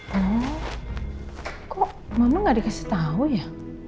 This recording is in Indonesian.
kok mama gak dikasih tau ya